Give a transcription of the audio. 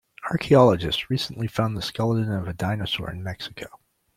Archaeologists recently found the skeleton of a dinosaur in Mexico.